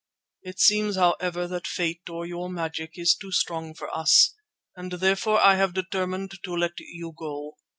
It seems, however, that fate, or your magic, is too strong for us, and therefore I have determined to let you go.